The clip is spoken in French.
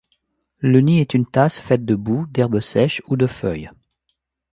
Le nid est une tasse faite de boue, d'herbe sèche ou de feuilles.